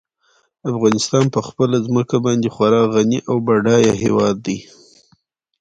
افغانستان په خپله ځمکه باندې خورا غني او بډای هېواد دی.